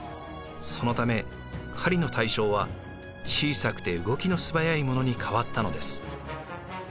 そのため狩りの対象は小さくて動きの素早いものに変わったのです。